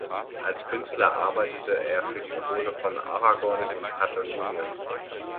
Als Künstler arbeitete er für die Krone von Aragon und Katalonien.